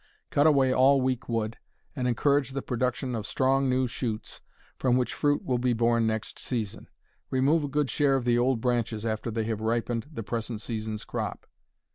Cut away all weak wood, and encourage the production of strong new shoots, from which fruit will be borne next season. Remove a good share of the old branches after they have ripened the present season's crop.